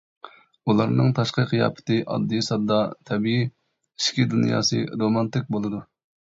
ئۇلارنىڭ تاشقى قىياپىتى ئاددىي-ساددا، تەبىئىي، ئىچكى دۇنياسى رومانتىك بولىدۇ.